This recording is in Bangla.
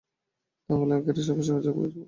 তা হলেই আখেরে সবই সহজ হয়ে পড়বে।